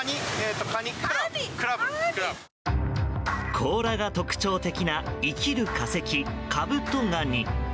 甲羅が特徴的な生きる化石、カブトガニ。